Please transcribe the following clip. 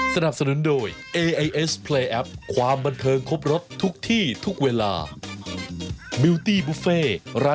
จะกลับมาเล่าให้ฟังฮะ